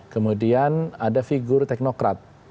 kemudian ada figur teknokrat